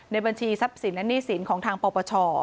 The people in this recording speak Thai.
บัญชีทรัพย์สินและหนี้สินของทางปปช